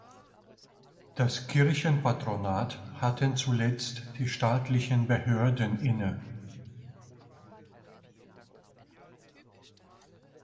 Das Kirchenpatronat hatten zuletzt die staatlichen Behörden inne.